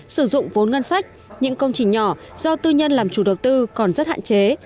sử dụng vốn ngân sách những công trình nhỏ do tư nhân làm chủ đầu tư còn rất hạn chế